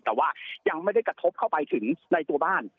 แต่ว่ายังไม่ได้กระทบเข้าไปถึงในตัวบ้าน